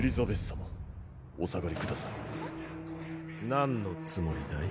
なんのつもりだい？